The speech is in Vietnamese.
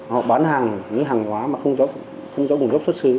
họ bán hàng những hàng hóa mà không rõ nguồn gốc xuất xứ